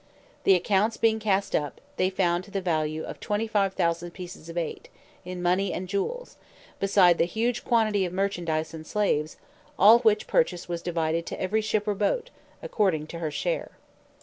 The accounts being cast up, they found to the value of 25,000 pieces of eight, in money and jewels, beside the huge quantity of merchandise and slaves, all which purchase was divided to every ship or boat, according to her share.